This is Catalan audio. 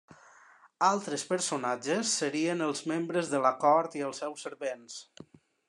Altres personatges serien els membres de la cort i els seus servents.